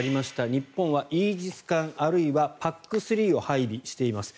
日本はイージス艦あるいはＰＡＣ３を配備しています。